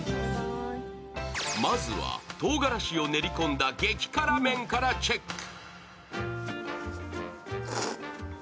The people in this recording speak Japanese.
まずは、とうがらしを練り込んだ激辛麺からチェック。